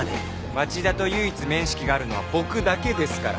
町田と唯一面識があるのは僕だけですから！